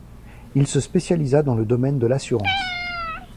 Il se spécialisa dans le domaine de l'assurance.